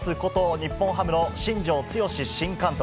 日本ハムの新庄剛志新監督。